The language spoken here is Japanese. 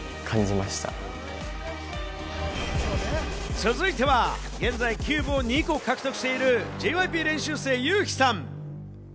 続いては、現在キューブを２個獲得している、ＪＹＰ練習生・ユウヒさん。